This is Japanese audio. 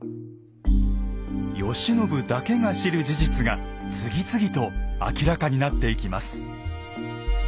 慶喜だけが知る事実が次々と明らかになっていきます。